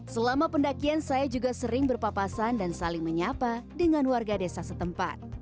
selama pendakian saya juga sering berpapasan dan saling menyapa dengan warga desa setempat